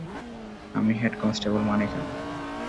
আমি head constable Manickam.